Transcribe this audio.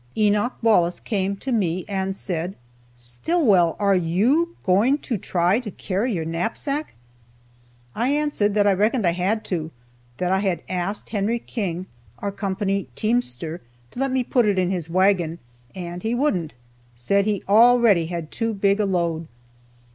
Enoch Wallace came to me and said: "Stillwell, are you going to try to carry your knapsack?" I answered that I reckoned I had to, that I had asked Hen. King (our company teamster) to let me put it in his wagon, and he wouldn't, said he already had too big a load.